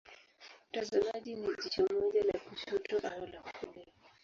Mtazamaji ni jicho moja la kushoto au la kulia.